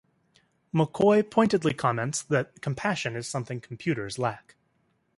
McCoy pointedly comments that compassion is something computers lack.